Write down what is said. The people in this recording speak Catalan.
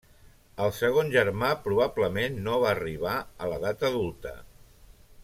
El segon germà probablement no va arribar a l'edat adulta.